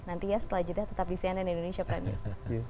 nanti ya setelah jadilah tetap di cnn indonesia pradnews